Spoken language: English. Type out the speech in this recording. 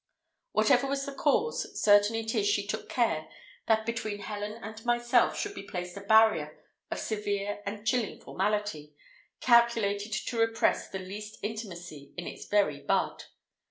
Whatever was the cause, certain it is she took care that between Helen and myself should be placed a barrier of severe and chilling formality, calculated to repress the least intimacy in its very bud.